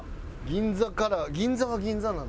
銀座から銀座は銀座なんだ。